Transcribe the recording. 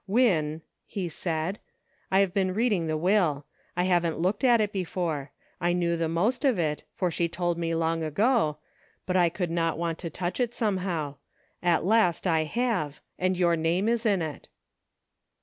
"Win," he said, "I've been reading the will; I haven't looked at it before ; I knew the most of it, for she told me long ago, but I could not want to touch it, somehow ; at last I have, and your name is in it."